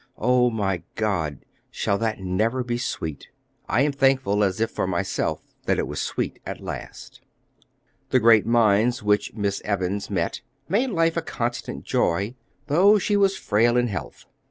O my God! shall that never be sweet?' I am thankful, as if for myself, that it was sweet at last." The great minds which Miss Evans met made life a constant joy, though she was frail in health.